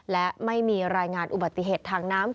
และไม่มีรายงานอุบัติเหตุทางน้ำ